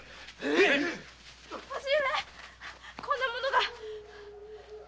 叔父上こんなものが！